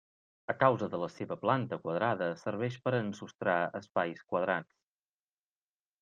A causa de la seva planta quadrada serveix per ensostrar espais quadrats.